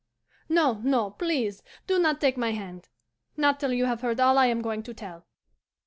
No, no, please do not take my hand not till you have heard all I am going to tell."